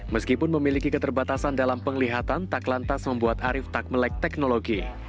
meskipun memiliki keterbatasan dalam penglihatan tak lantas membuat arief tak melek teknologi